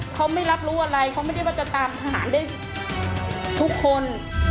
เขาไม่รับรู้อะไรเขาไม่ได้ว่าจะตามทหารได้ทุกคน